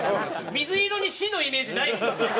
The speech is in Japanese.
水色に死のイメージない。